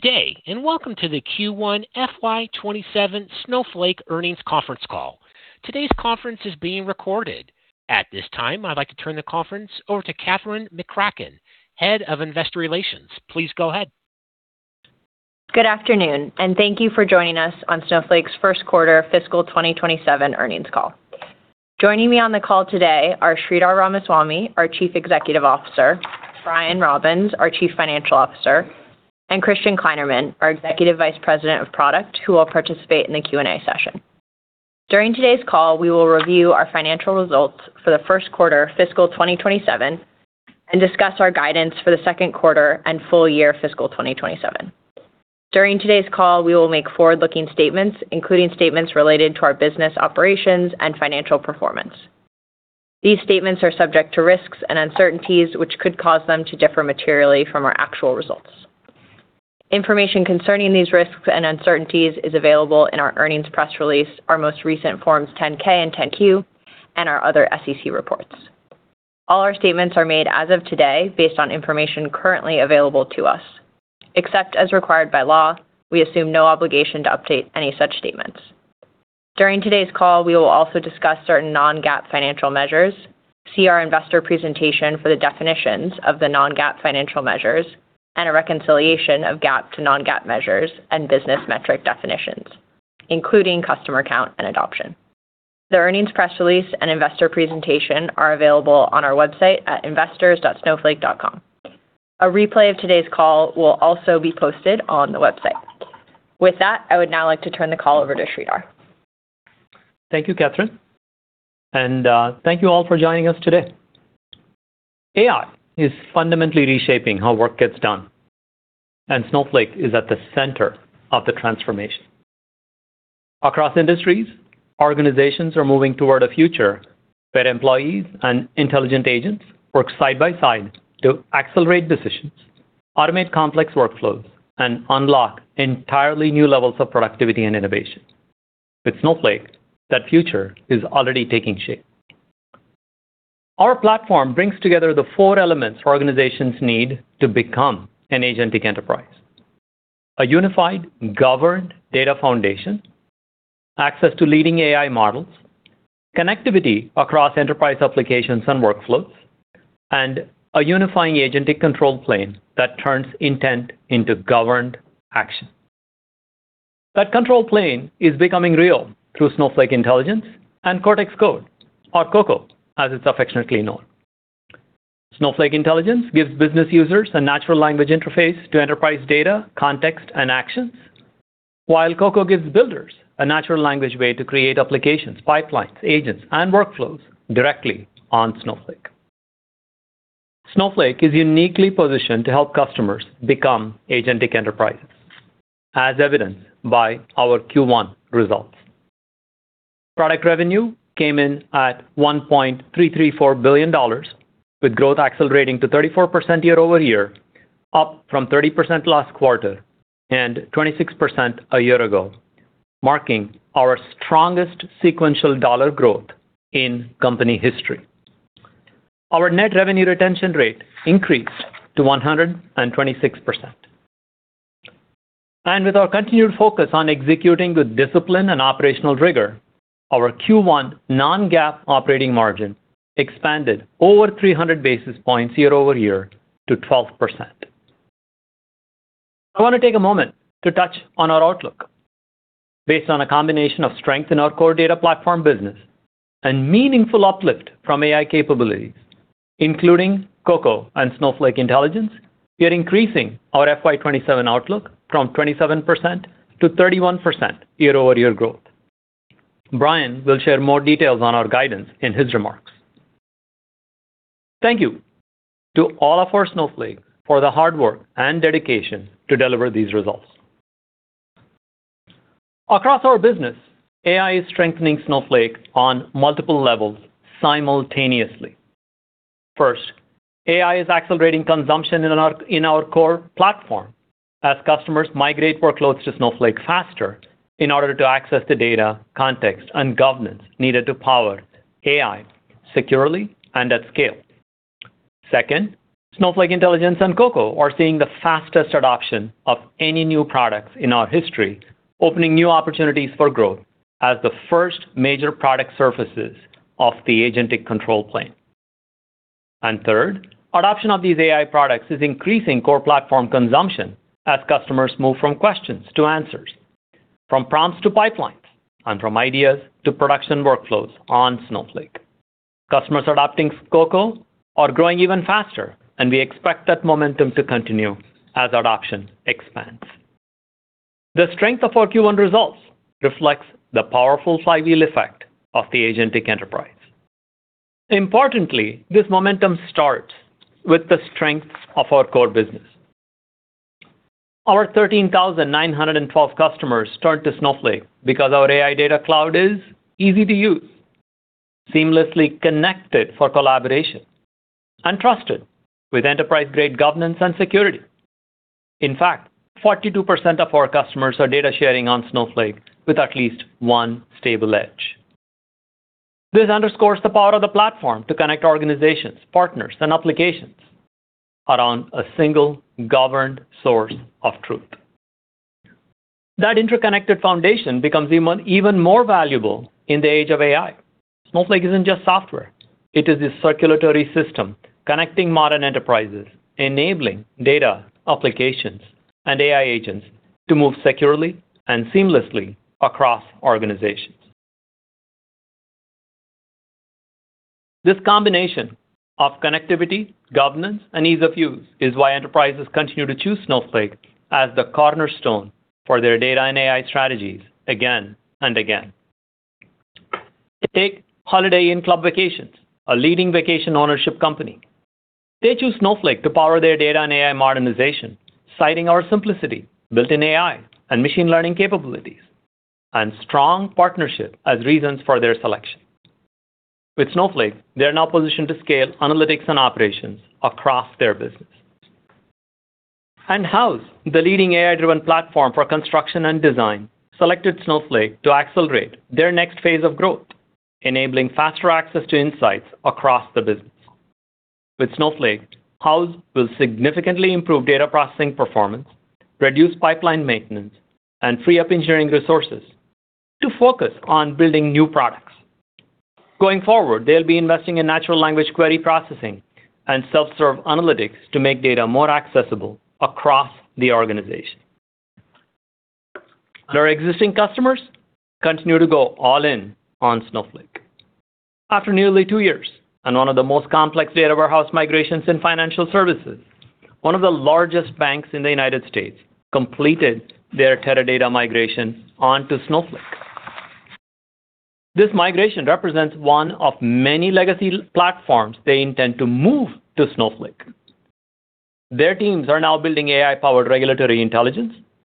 Good day, and welcome to the Q1 FY 2027 Snowflake earnings conference call. Today's conference is being recorded. At this time, I'd like to turn the conference over to Katherine McCracken, Head of Investor Relations. Please go ahead. Good afternoon, and thank you for joining us on Snowflake's first quarter fiscal 2027 earnings call. Joining me on the call today are Sridhar Ramaswamy, our Chief Executive Officer, Brian Robins, our Chief Financial Officer, and Christian Kleinerman, our Executive Vice President of Product, who will participate in the Q&A session. During today's call, we will review our financial results for the first quarter fiscal 2027 and discuss our guidance for the second quarter and full-year fiscal 2027. During today's call, we will make forward-looking statements, including statements related to our business operations and financial performance. These statements are subject to risks and uncertainties, which could cause them to differ materially from our actual results. Information concerning these risks and uncertainties is available in our earnings press release, our most recent Forms 10-K and 10-Q, and our other SEC reports. All our statements are made as of today, based on information currently available to us. Except as required by law, we assume no obligation to update any such statements. During today's call, we will also discuss certain non-GAAP financial measures. See our investor presentation for the definitions of the non-GAAP financial measures and a reconciliation of GAAP to non-GAAP measures and business metric definitions, including customer count and adoption. The earnings press release and investor presentation are available on our website at investors.snowflake.com. A replay of today's call will also be posted on the website. With that, I would now like to turn the call over to Sridhar. Thank you, Katherine. Thank you all for joining us today. AI is fundamentally reshaping how work gets done, and Snowflake is at the center of the transformation. Across industries, organizations are moving toward a future where employees and intelligent agents work side by side to accelerate decisions, automate complex workflows, and unlock entirely new levels of productivity and innovation. With Snowflake, that future is already taking shape. Our platform brings together the four elements organizations need to become an agentic enterprise. A unified, governed data foundation, access to leading AI models, connectivity across enterprise applications and workflows, and a unifying agentic control plane that turns intent into governed action. That control plane is becoming real through Snowflake Intelligence and Cortex Code, or CoCo, as it's affectionately known. Snowflake Intelligence gives business users a natural language interface to enterprise data, context, and actions, while CoCo gives builders a natural language way to create applications, pipelines, agents, and workflows directly on Snowflake. Snowflake is uniquely positioned to help customers become agentic enterprises, as evidenced by our Q1 results. Product revenue came in at $1.334 billion, with growth accelerating to 34% year-over-year, up from 30% last quarter and 26% a year ago, marking our strongest sequential dollar growth in company history. Our net revenue retention rate increased to 126%. With our continued focus on executing with discipline and operational rigor, our Q1 non-GAAP operating margin expanded over 300 basis points year-over-year to 12%. I want to take a moment to touch on our outlook. Based on a combination of strength in our core data platform business and meaningful uplift from AI capabilities, including CoCo and Snowflake Intelligence, we are increasing our FY 2027 outlook from 27% to 31% year-over-year growth. Brian will share more details on our guidance in his remarks. Thank you to all of our Snowflake for the hard work and dedication to deliver these results. Across our business, AI is strengthening Snowflake on multiple levels simultaneously. First, AI is accelerating consumption in our core platform as customers migrate workloads to Snowflake faster in order to access the data, context, and governance needed to power AI securely and at scale. Second, Snowflake Intelligence and CoCo are seeing the fastest adoption of any new products in our history, opening new opportunities for growth as the first major product surfaces of the agentic control plane. Third, adoption of these AI products is increasing core platform consumption as customers move from questions to answers, from prompts to pipelines, and from ideas to production workflows on Snowflake. Customers adopting CoCo are growing even faster. We expect that momentum to continue as adoption expands. The strength of our Q1 results reflects the powerful flywheel effect of the agentic enterprise. Importantly, this momentum starts with the strength of our core business. Our 13,912 customers turn to Snowflake because our AI Data Cloud is easy to use, seamlessly connected for collaboration, and trusted, with enterprise-grade governance and security. In fact, 42% of our customers are data sharing on Snowflake with at least one stable edge. This underscores the power of the platform to connect organizations, partners, and applications around a single governed source of truth. That interconnected foundation becomes even more valuable in the age of AI. Snowflake isn't just software, it is a circulatory system connecting modern enterprises, enabling data, applications, and AI agents to move securely and seamlessly across organizations. This combination of connectivity, governance, and ease of use is why enterprises continue to choose Snowflake as the cornerstone for their data and AI strategies again and again. Take Holiday Inn Club Vacations, a leading vacation ownership company. They chose Snowflake to power their data and AI modernization, citing our simplicity, built-in AI, and machine learning capabilities, and strong partnership as reasons for their selection. With Snowflake, they are now positioned to scale analytics and operations across their business. Houzz, the leading AI-driven platform for construction and design, selected Snowflake to accelerate their next phase of growth, enabling faster access to insights across the business. With Snowflake, Houzz will significantly improve data processing performance, reduce pipeline maintenance, and free up engineering resources to focus on building new products. Going forward, they'll be investing in natural language query processing and self-serve analytics to make data more accessible across the organization. Our existing customers continue to go all in on Snowflake. After nearly two years, and one of the most complex data warehouse migrations in financial services, one of the largest banks in the United States completed their Teradata migration onto Snowflake. This migration represents one of many legacy platforms they intend to move to Snowflake. Their teams are now building AI-powered regulatory intelligence,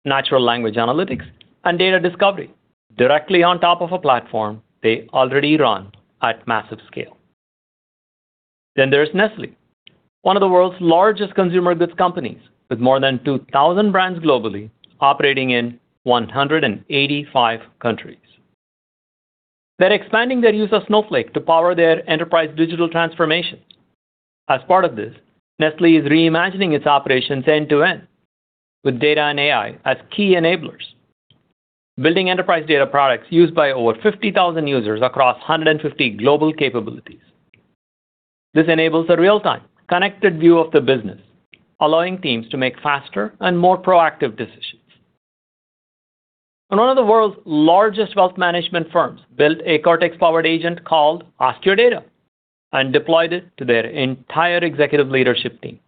natural language analytics, and data discovery directly on top of a platform they already run at massive scale. There's Nestlé, one of the world's largest consumer goods companies, with more than 2,000 brands globally, operating in 185 countries. They're expanding their use of Snowflake to power their enterprise digital transformation. As part of this, Nestlé is reimagining its operations end-to-end, with data and AI as key enablers, building enterprise data products used by over 50,000 users across 150 global capabilities. This enables a real-time connected view of the business, allowing teams to make faster and more proactive decisions. One of the world's largest wealth management firms built a Cortex-powered agent called Ask Your Data and deployed it to their entire executive leadership team.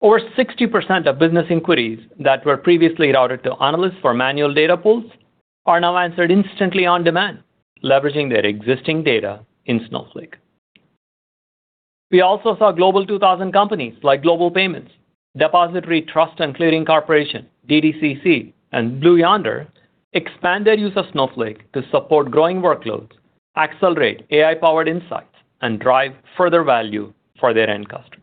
Over 60% of business inquiries that were previously routed to analysts for manual data pulls are now answered instantly on demand, leveraging their existing data in Snowflake. We also saw Global 2000 companies like Global Payments, Depository Trust & Clearing Corporation, DTCC, and Blue Yonder expand their use of Snowflake to support growing workloads, accelerate AI-powered insights, and drive further value for their end customers.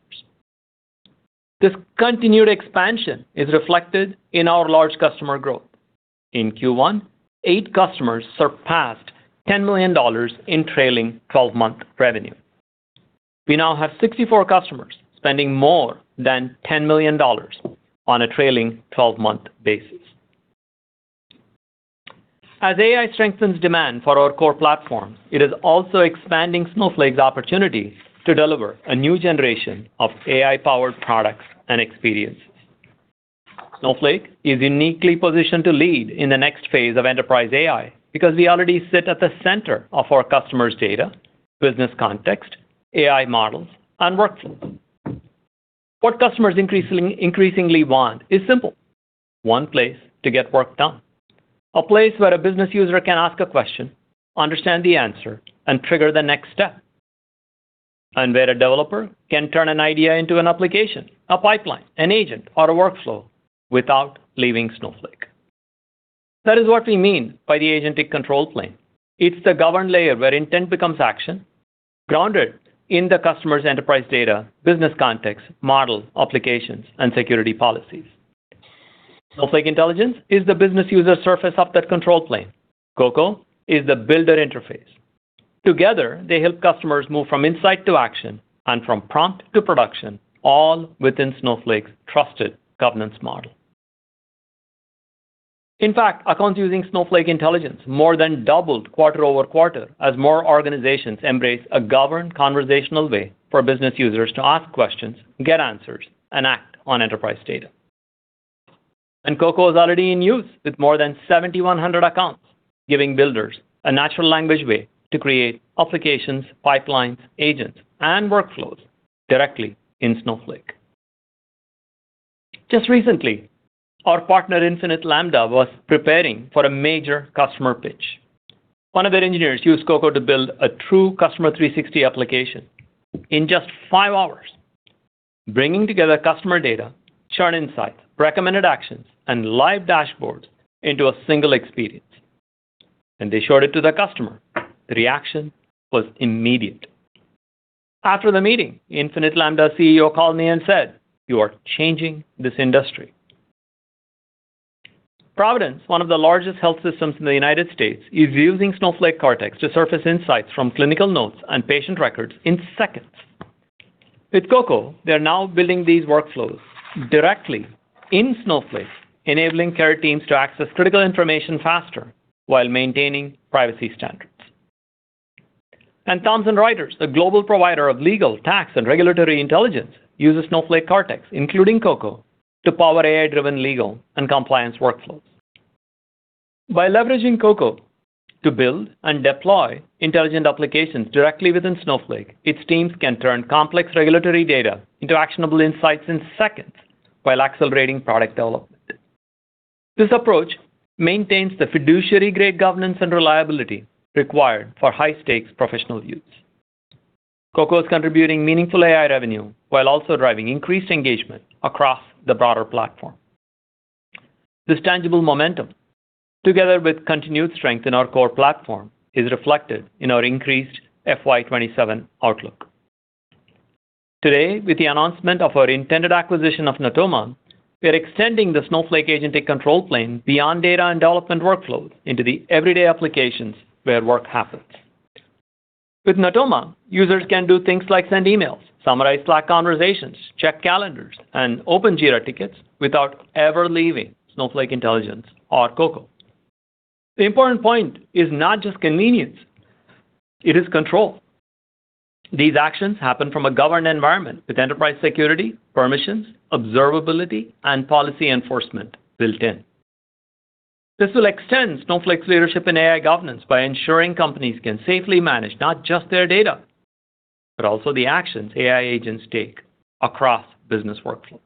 This continued expansion is reflected in our large customer growth. In Q1, eight customers surpassed $10 million in trailing 12-month revenue. We now have 64 customers spending more than $10 million on a trailing 12-month basis. As AI strengthens demand for our core platform, it is also expanding Snowflake's opportunity to deliver a new generation of AI-powered products and experiences. Snowflake is uniquely positioned to lead in the next phase of enterprise AI, because we already sit at the center of our customers' data, business context, AI models, and workflows. What customers increasingly want is simple: one place to get work done. A place where a business user can ask a question, understand the answer, and trigger the next step. Where a developer can turn an idea into an application, a pipeline, an agent, or a workflow without leaving Snowflake. That is what we mean by the agentic control plane. It's the governed layer where intent becomes action, grounded in the customer's enterprise data, business context, model, applications, and security policies. Snowflake Intelligence is the business user surface of that control plane. CoCo is the builder interface. Together, they help customers move from insight to action and from prompt to production, all within Snowflake's trusted governance model. In fact, accounts using Snowflake Intelligence more than doubled quarter-over-quarter as more organizations embrace a governed conversational way for business users to ask questions, get answers, and act on enterprise data. CoCo is already in use with more than 7,100 accounts, giving builders a natural language way to create applications, pipelines, agents, and workflows directly in Snowflake. Just recently, our partner, Infinite Lambda was preparing for a major customer pitch. One of their engineers used CoCo to build a true customer 360 application in just five hours, bringing together customer data, chart insights, recommended actions, and live dashboards into a single experience, and they showed it to the customer. The reaction was immediate. After the meeting, Infinite Lambda's CEO called me and said, "You are changing this industry." Providence, one of the largest health systems in the U.S., is using Snowflake Cortex to surface insights from clinical notes and patient records in seconds. With CoCo, they are now building these workflows directly in Snowflake, enabling care teams to access critical information faster while maintaining privacy standards. Thomson Reuters, a global provider of legal, tax, and regulatory intelligence, uses Snowflake Cortex, including CoCo, to power AI-driven legal and compliance workflows. By leveraging CoCo to build and deploy intelligent applications directly within Snowflake, its teams can turn complex regulatory data into actionable insights in seconds while accelerating product development. This approach maintains the fiduciary-grade governance and reliability required for high-stakes professional use. CoCo is contributing meaningful AI revenue while also driving increased engagement across the broader platform. This tangible momentum, together with continued strength in our core platform, is reflected in our increased FY 2027 outlook. Today, with the announcement of our intended acquisition of Natoma, we are extending the Snowflake agentic control plane beyond data and development workflows into the everyday applications where work happens. With Natoma, users can do things like send emails, summarize Slack conversations, check calendars, and open Jira tickets without ever leaving Snowflake Intelligence or CoCo. The important point is not just convenience, it is control. These actions happen from a governed environment with enterprise security, permissions, observability, and policy enforcement built in. This will extend Snowflake's leadership in AI governance by ensuring companies can safely manage not just their data, but also the actions AI agents take across business workflows.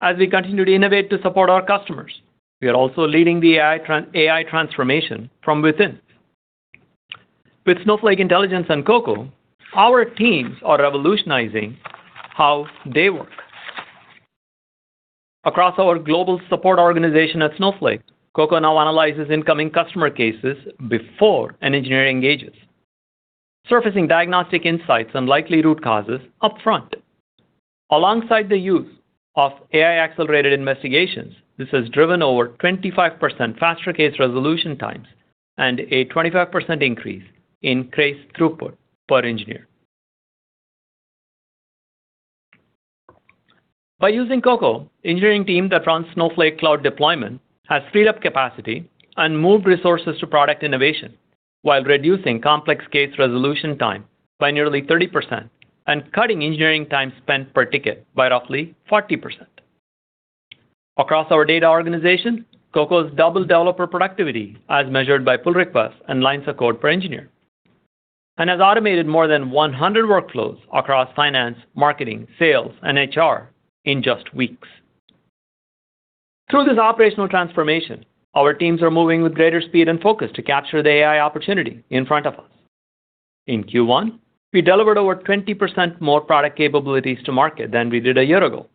As we continue to innovate to support our customers, we are also leading the AI transformation from within. With Snowflake Intelligence and CoCo, our teams are revolutionizing how they work. Across our global support organization at Snowflake, CoCo now analyzes incoming customer cases before an engineer engages, surfacing diagnostic insights and likely root causes upfront. Alongside the use of AI-accelerated investigations, this has driven over 25% faster case resolution times and a 25% increase in case throughput per engineer. By using CoCo, engineering teams that run Snowflake cloud deployment have freed up capacity and moved resources to product innovation while reducing complex case resolution time by nearly 30% and cutting engineering time spent per ticket by roughly 40%. Across our data organization, CoCo's double developer productivity as measured by pull requests and lines of code per engineer and has automated more than 100 workflows across finance, marketing, sales, and HR in just weeks. Through this operational transformation, our teams are moving with greater speed and focus to capture the AI opportunity in front of us. In Q1, we delivered over 20% more product capabilities to market than we did a year ago,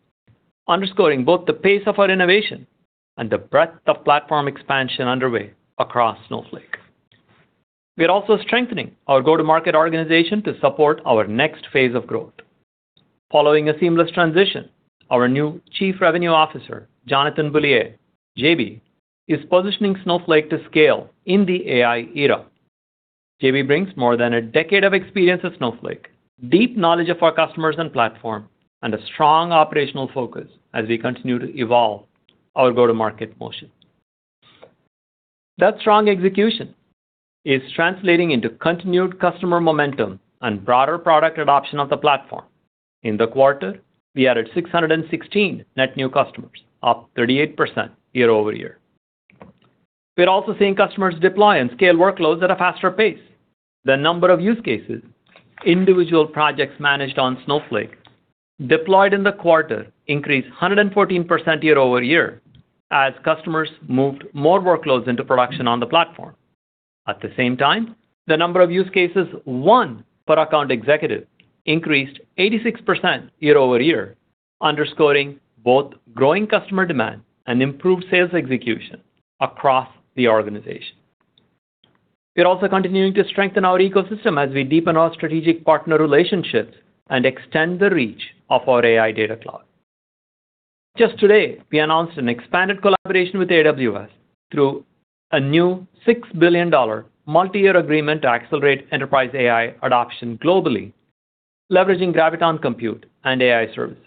underscoring both the pace of our innovation and the breadth of platform expansion underway across Snowflake. We are also strengthening our go-to-market organization to support our next phase of growth. Following a seamless transition, our new Chief Revenue Officer, Jonathan Beaulier, JB, is positioning Snowflake to scale in the AI era. JB brings more than a decade of experience with Snowflake, deep knowledge of our customers and platform, and a strong operational focus as we continue to evolve our go-to-market motion. That strong execution is translating into continued customer momentum and broader product adoption of the platform. In the quarter, we added 616 net new customers, up 38% year-over-year. We're also seeing customers deploy and scale workloads at a faster pace. The number of use cases, individual projects managed on Snowflake deployed in the quarter increased 114% year-over-year as customers moved more workloads into production on the platform. At the same time, the number of use cases won per account executive increased 86% year-over-year, underscoring both growing customer demand and improved sales execution across the organization. We are also continuing to strengthen our ecosystem as we deepen our strategic partner relationships and extend the reach of our AI Data Cloud. Just today, we announced an expanded collaboration with AWS through a new $6 billion multi-year agreement to accelerate enterprise AI adoption globally, leveraging Graviton compute and AI services.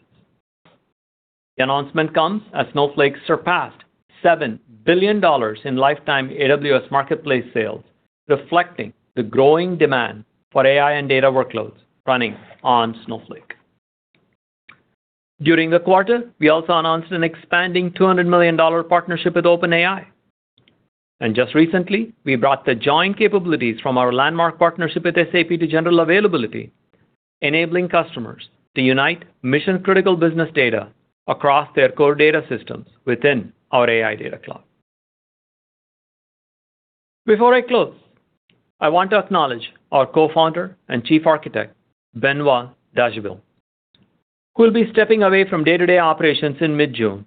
The announcement comes as Snowflake surpassed $7 billion in lifetime AWS Marketplace sales, reflecting the growing demand for AI and data workloads running on Snowflake. During the quarter, we also announced an expanding $200 million partnership with OpenAI. Just recently, we brought the joint capabilities from our landmark partnership with SAP to general availability, enabling customers to unite mission-critical business data across their core data systems within our AI Data Cloud. Before I close, I want to acknowledge our Co-Founder and Chief Architect, Benoit Dageville, who will be stepping away from day-to-day operations in mid-June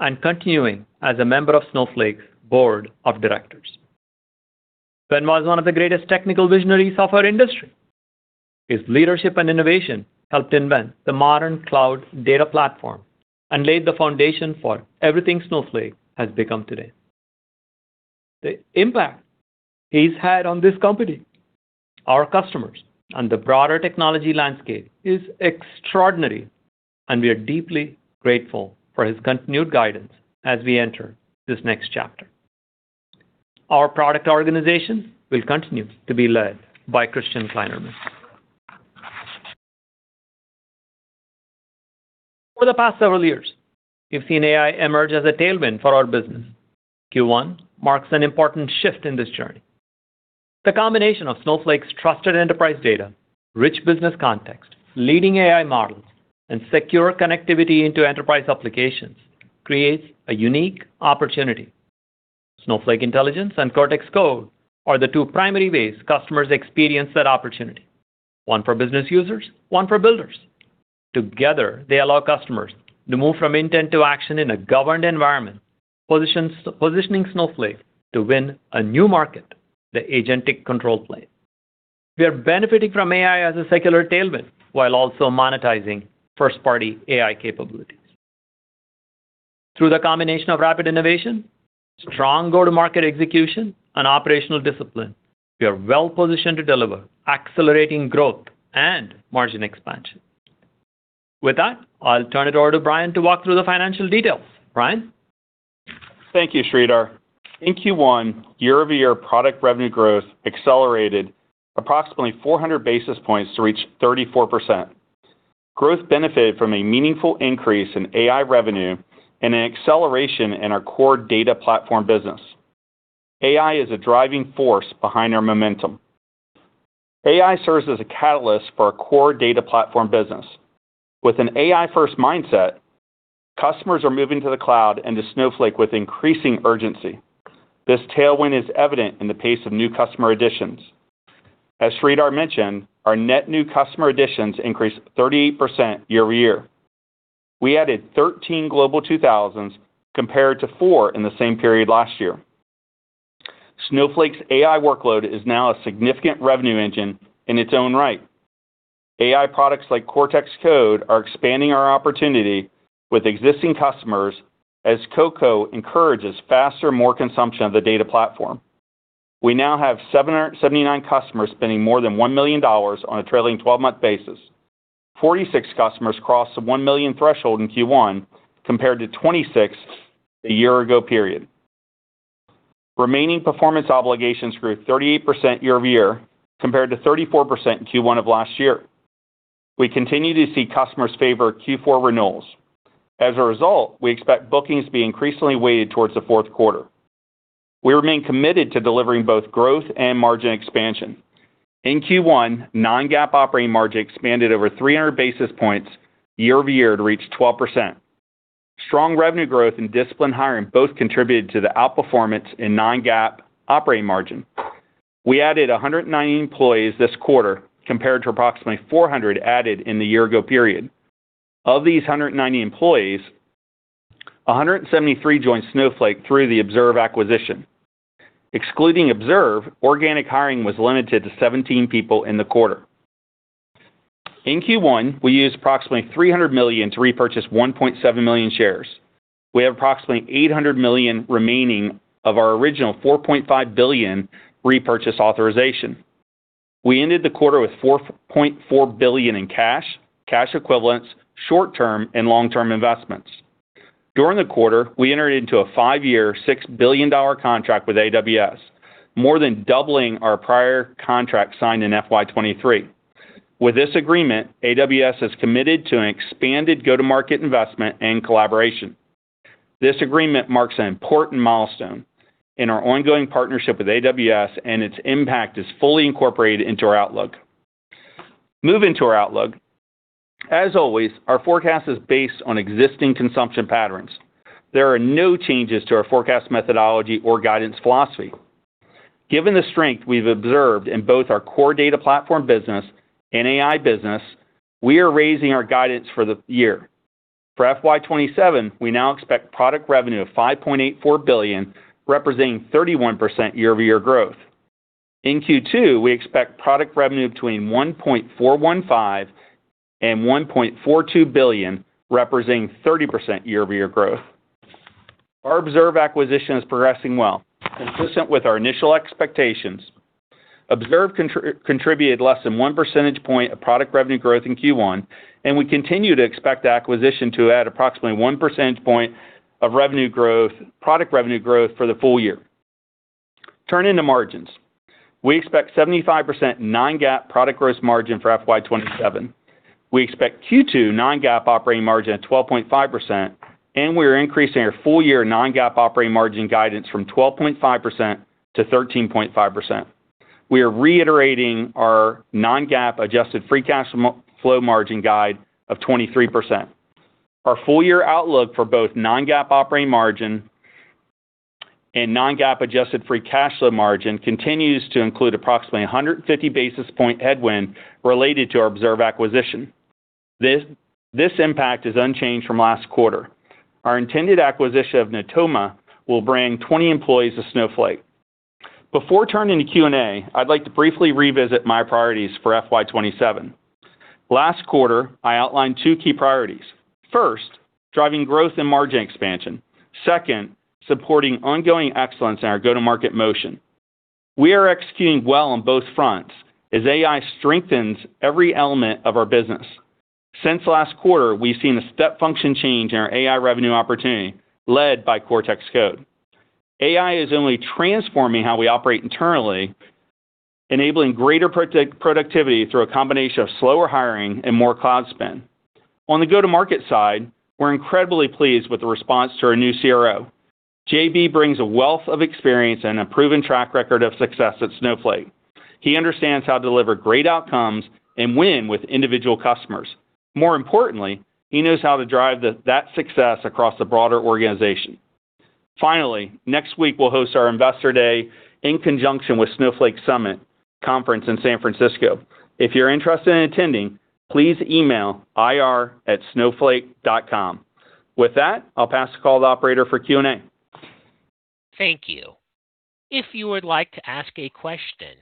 and continuing as a member of Snowflake's Board of Directors. Ben was one of the greatest technical visionaries of our industry. His leadership and innovation helped invent the modern cloud data platform and laid the foundation for everything Snowflake has become today. The impact he's had on this company, our customers, and the broader technology landscape is extraordinary, and we are deeply grateful for his continued guidance as we enter this next chapter. Our product organization will continue to be led by Christian Kleinerman. For the past several years, we've seen AI emerge as a tailwind for our business. Q1 marks an important shift in this journey. The combination of Snowflake's trusted enterprise data, rich business context, leading AI models, and secure connectivity into enterprise applications creates a unique opportunity. Snowflake Intelligence and Cortex Code are the two primary ways customers experience that opportunity, one for business users, one for builders. Together, they allow customers to move from intent to action in a governed environment, positioning Snowflake to win a new market, the agentic control plane. We are benefiting from AI as a secular tailwind while also monetizing first-party AI capabilities. Through the combination of rapid innovation, strong go-to-market execution, and operational discipline, we are well-positioned to deliver accelerating growth and margin expansion. With that, I'll turn it over to Brian to walk through the financial details. Brian? Thank you, Sridhar. In Q1, year-over-year product revenue growth accelerated approximately 400 basis points to reach 34%. Growth benefited from a meaningful increase in AI revenue and an acceleration in our core data platform business. AI is a driving force behind our momentum. AI serves as a catalyst for our core data platform business. With an AI-first mindset, customers are moving to the cloud and to Snowflake with increasing urgency. This tailwind is evident in the pace of new customer additions. As Sridhar mentioned, our net new customer additions increased 38% year over year. We added 13 Global 2000s compared to four in the same period last year. Snowflake's AI workload is now a significant revenue engine in its own right. AI products like Cortex Code are expanding our opportunity with existing customers as CoCo encourages faster, more consumption of the data platform. We now have 79 customers spending more than $1 million on a trailing 12-month basis. 46 customers crossed the $1 million threshold in Q1 compared to 26 a year ago period. Remaining performance obligations grew 38% year-over-year, compared to 34% in Q1 of last year. We continue to see customers favor Q4 renewals. As a result, we expect bookings to be increasingly weighted towards the fourth quarter. We remain committed to delivering both growth and margin expansion. In Q1, non-GAAP operating margin expanded over 300 basis points year-over-year to reach 12%. Strong revenue growth and disciplined hiring both contributed to the outperformance in non-GAAP operating margin. We added 190 employees this quarter, compared to approximately 400 added in the year ago period. Of these 190 employees, 173 joined Snowflake through the Observe acquisition. Excluding Observe, organic hiring was limited to 17 people in the quarter. In Q1, we used approximately $300 million to repurchase 1.7 million shares. We have approximately $800 million remaining of our original $4.5 billion repurchase authorization. We ended the quarter with $4.4 billion in cash equivalents, short-term, and long-term investments. During the quarter, we entered into a five-year, $6 billion contract with AWS, more than doubling our prior contract signed in FY 2023. With this agreement, AWS has committed to an expanded go-to-market investment and collaboration. This agreement marks an important milestone in our ongoing partnership with AWS, and its impact is fully incorporated into our outlook. Moving to our outlook, as always, our forecast is based on existing consumption patterns. There are no changes to our forecast methodology or guidance philosophy. Given the strength we've observed in both our core data platform business and AI business, we are raising our guidance for the year. For FY 2027, we now expect product revenue of $5.84 billion, representing 31% year-over-year growth. In Q2, we expect product revenue between $1.415 billion and $1.42 billion, representing 30% year-over-year growth. Our Observe acquisition is progressing well, consistent with our initial expectations. Observe contributed less than one percentage point of product revenue growth in Q1, and we continue to expect the acquisition to add approximately one percentage point of product revenue growth for the full-year. Turning to margins, we expect 75% non-GAAP product gross margin for FY 2027. We expect Q2 non-GAAP operating margin at 12.5%, and we are increasing our full-year non-GAAP operating margin guidance from 12.5% to 13.5%. We are reiterating our non-GAAP adjusted free cash flow margin guide of 23%. Our full-year outlook for both non-GAAP operating margin and non-GAAP adjusted free cash flow margin continues to include approximately 150 basis point headwind related to our Observe acquisition. This impact is unchanged from last quarter. Our intended acquisition of Natoma will bring 20 employees to Snowflake. Before turning to Q&A, I'd like to briefly revisit my priorities for FY 2027. Last quarter, I outlined two key priorities. First, driving growth and margin expansion. Second, supporting ongoing excellence in our go-to-market motion. We are executing well on both fronts as AI strengthens every element of our business. Since last quarter, we've seen a step function change in our AI revenue opportunity, led by Cortex Code. AI is only transforming how we operate internally, enabling greater productivity through a combination of slower hiring and more cloud spend. On the go-to-market side, we're incredibly pleased with the response to our new CRO. JB brings a wealth of experience and a proven track record of success at Snowflake. He understands how to deliver great outcomes and win with individual customers. More importantly, he knows how to drive that success across the broader organization. Finally, next week we'll host our Investor Day in conjunction with Snowflake Summit conference in San Francisco. If you're interested in attending, please email ir@snowflake.com. With that, I'll pass the call to operator for Q&A. Thank you. If you would like to ask a question,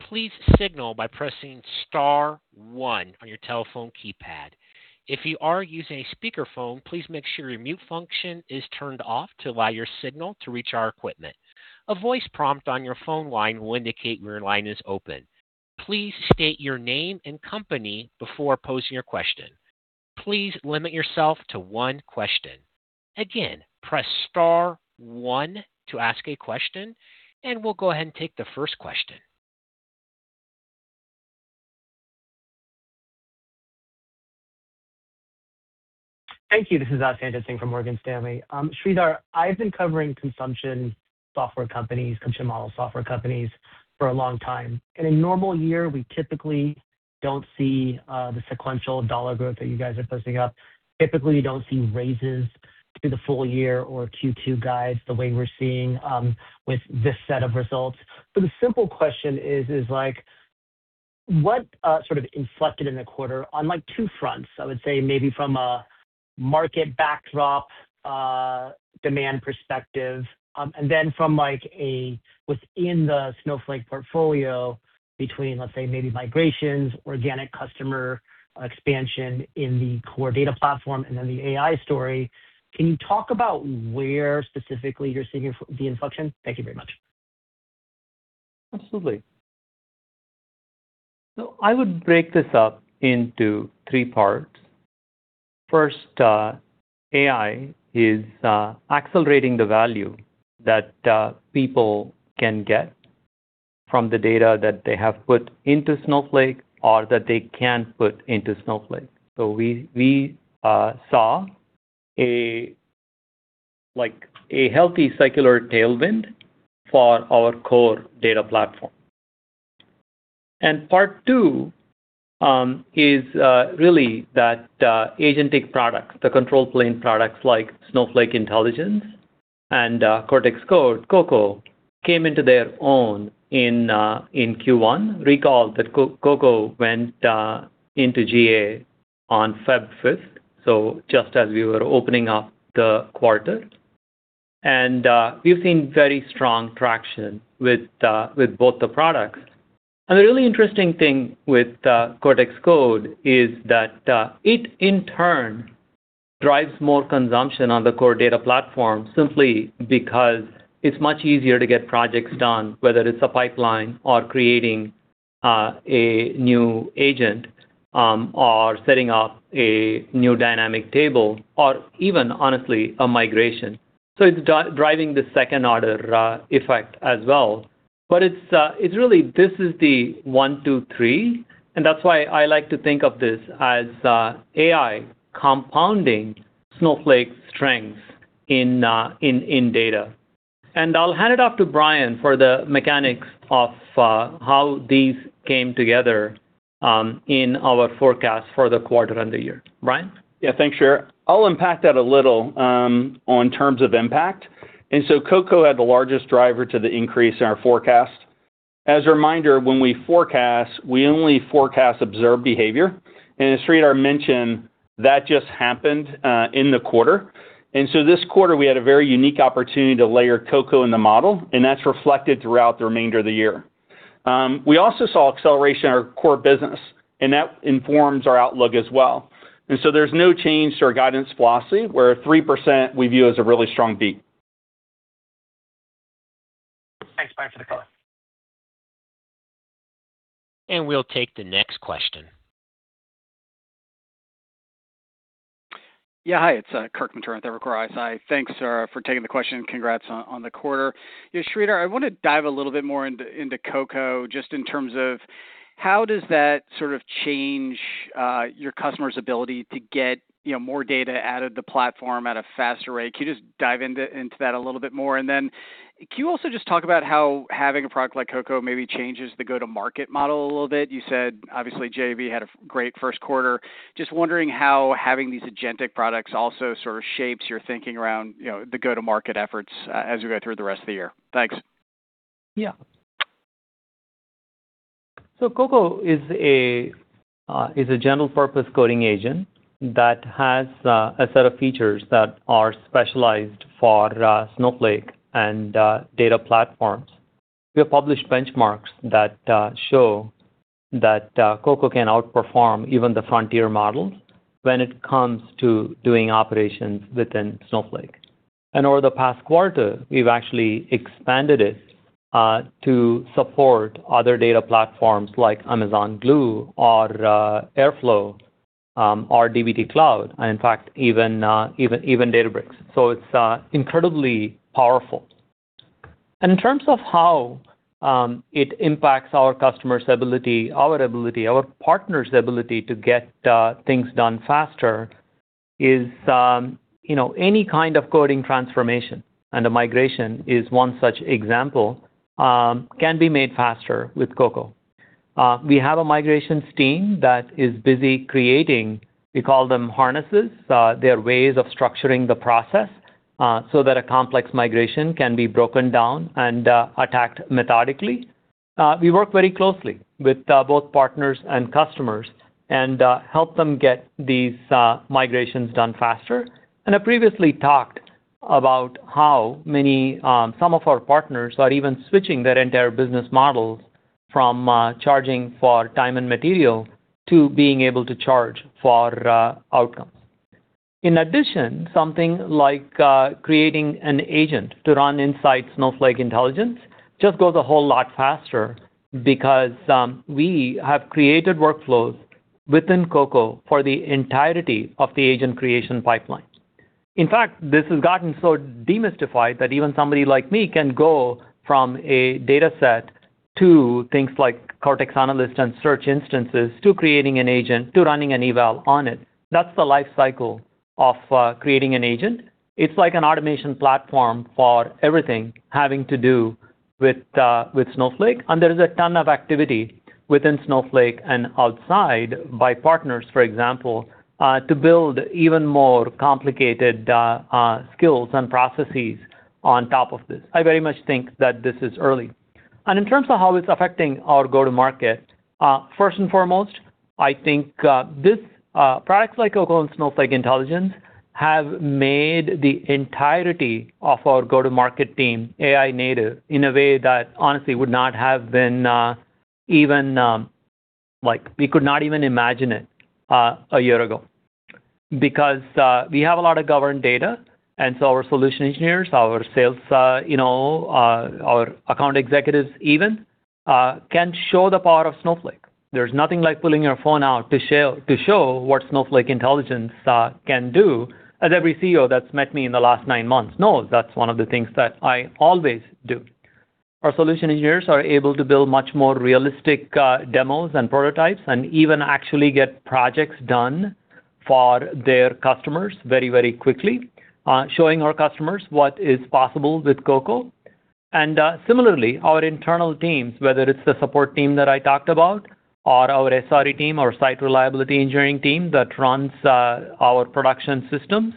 please signal by pressing star one on your telephone keypad. If you are using a speakerphone, please make sure your mute function is turned off to allow your signal to reach our equipment. A voice prompt on your phone line will indicate when your line is open. Please state your name and company before posing your question. Please limit yourself to one question. Again, press star one to ask a question, and we'll go ahead and take the first question. Thank you. This is Sanjit Singh from Morgan Stanley. Sridhar, I've been covering consumption model software companies for a long time. In a normal year, we typically don't see the sequential dollar growth that you guys are posting up. Typically, you don't see raises through the full-year or Q2 guides the way we're seeing with this set of results. The simple question is, what inflected in the quarter on two fronts? I would say maybe from a market backdrop, demand perspective, and then from within the Snowflake portfolio between, let's say maybe migrations, organic customer expansion in the core data platform, and then the AI story. Can you talk about where specifically you're seeing the inflection? Thank you very much. Absolutely. I would break this up into three parts. First, AI is accelerating the value that people can get from the data that they have put into Snowflake or that they can put into Snowflake. We saw a healthy secular tailwind for our core data platform. Part two is really that agentic products, the control plane products like Snowflake Intelligence and Cortex Code, CoCo, came into their own in Q1. Recall that CoCo went into GA on February 5th, so just as we were opening up the quarter. We've seen very strong traction with both the products. The really interesting thing with Cortex Code is that it in turn drives more consumption on the core data platform simply because it's much easier to get projects done, whether it's a pipeline or creating a new agent, or setting up a new Dynamic Tables or even, honestly, a migration. It's driving the second order effect as well. It's really this is the one, two, three, and that's why I like to think of this as AI compounding Snowflake's strengths in data. I'll hand it off to Brian for the mechanics of how these came together in our forecast for the quarter and the year. Brian? Yeah, thanks, Sridhar. I'll unpack that a little on terms of impact. CoCo had the largest driver to the increase in our forecast. As a reminder, when we forecast, we only forecast observed behavior. As Sridhar mentioned, that just happened in the quarter. This quarter, we had a very unique opportunity to layer CoCo in the model, and that's reflected throughout the remainder of the year. We also saw acceleration in our core business, and that informs our outlook as well. There's no change to our guidance philosophy, where 3% we view as a really strong beat. Thanks, Brian, for the color. We'll take the next question. Yeah, hi, it's Kirk Materne with Evercore ISI. Thanks, Sridhar, for taking the question, and congrats on the quarter. Sridhar, I want to dive a little bit more into CoCo, just in terms of how does that change your customer's ability to get more data out of the platform at a faster rate? Can you just dive into that a little bit more? Can you also just talk about how having a product like CoCo maybe changes the go-to-market model a little bit? You said, obviously, JB had a great first quarter. Just wondering how having these agentic products also shapes your thinking around the go-to-market efforts as we go through the rest of the year. Thanks. Yeah. CoCo is a general-purpose coding agent that has a set of features that are specialized for Snowflake and data platforms. We have published benchmarks that show that CoCo can outperform even the frontier models when it comes to doing operations within Snowflake. Over the past quarter, we've actually expanded it to support other data platforms like Amazon Glue or Airflow, or dbt Cloud, and in fact, even Databricks. It's incredibly powerful. In terms of how it impacts our customers' ability, our partners' ability to get things done faster is any kind of coding transformation, and a migration is one such example, can be made faster with CoCo. We have a migrations team that is busy creating, we call them harnesses. They are ways of structuring the process so that a complex migration can be broken down and attacked methodically. We work very closely with both partners and customers and help them get these migrations done faster. I previously talked about how some of our partners are even switching their entire business models from charging for time and material to being able to charge for outcomes. In addition, something like creating an agent to run inside Snowflake Intelligence just goes a whole lot faster because we have created workflows within CoCo for the entirety of the agent creation pipeline. In fact, this has gotten so demystified that even somebody like me can go from a data set to things like Cortex Analyst and search instances, to creating an agent, to running an eval on it. That's the life cycle of creating an agent. It's like an automation platform for everything having to do with Snowflake, and there is a ton of activity within Snowflake and outside by partners, for example, to build even more complicated skills and processes on top of this. I very much think that this is early. In terms of how it's affecting our go-to-market, first and foremost, I think products like CoCo and Snowflake Intelligence have made the entirety of our go-to-market team AI native in a way that honestly, we could not even imagine it a year ago. We have a lot of governed data, and so our solution engineers, our sales, our account executives even, can show the power of Snowflake. There's nothing like pulling your phone out to show what Snowflake Intelligence can do, as every CEO that's met me in the last nine months knows that's one of the things that I always do. Our solution engineers are able to build much more realistic demos and prototypes, even actually get projects done for their customers very quickly, showing our customers what is possible with CoCo. Similarly, our internal teams, whether it's the support team that I talked about, or our SRE team, our site reliability engineering team that runs our production systems,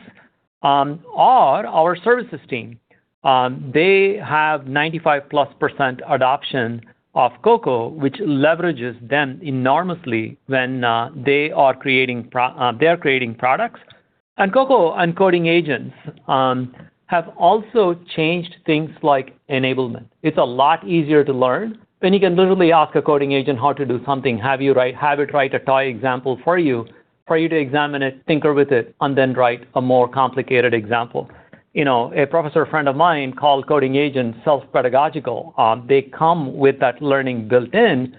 or our services team. They have 95%+ adoption of CoCo, which leverages them enormously when they are creating products. CoCo and coding agents have also changed things like enablement. It's a lot easier to learn, and you can literally ask a coding agent how to do something, have it write a toy example for you, for you to examine it, tinker with it, and then write a more complicated example. A professor friend of mine called coding agents self-pedagogical. They come with that learning built in,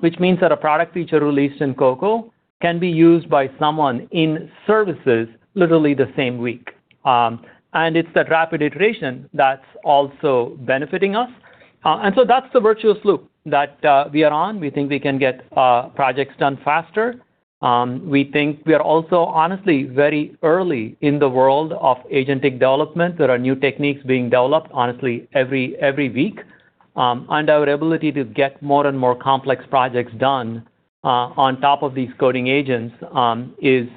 which means that a product feature released in CoCo can be used by someone in services literally the same week. It's that rapid iteration that's also benefiting us. That's the virtuous loop that we are on. We think we can get projects done faster. We think we are also honestly very early in the world of agent development. There are new techniques being developed, honestly, every week. Our ability to get more and more complex projects done on top of these coding agents is